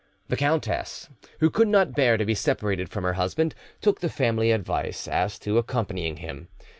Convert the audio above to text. The countess, who could not bear to be separated from her husband, took the family advice as to accompanying him.